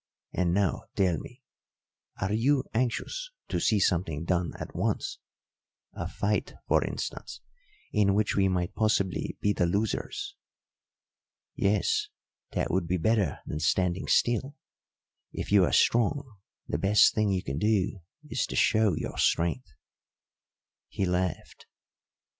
And now tell me, are you anxious to see something done at once a fight, for instance, in which we might possibly be the losers?" "Yes, that would be better than standing still. If you are strong, the best thing you can do is to show your strength." He laughed.